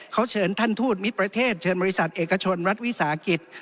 เขาเชิญท่านทูตมิตรประเทศเชิญบริษัทเอกชนรัฐวิสาหกิจ